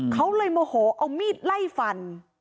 เขาเลยโมโหเอามีดไล่ฟัน